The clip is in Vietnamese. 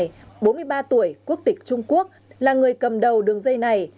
liêu trí hoài bốn mươi ba tuổi quốc tịch trung quốc là người cầm đầu đường dây này